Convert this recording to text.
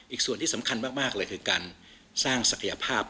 อีกส่วนที่สำคัญมากเลยคือการสร้างศักยภาพ